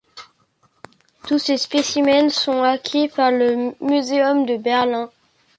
Tous ses spécimens sont acquis par le muséum de Berlin.